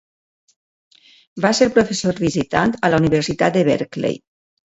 Va ser professor visitant a la Universitat de Berkeley.